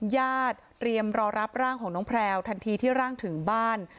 ญาติเตรียมรอรับร่างของน้องแพลวทันทีที่ร่างถึงบ้าน